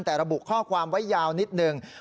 แต่ระบุข้อความไว้ยาวนิดนึง